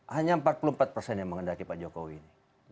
hanya empat puluh empat persen yang mengendaki pak jokowi ini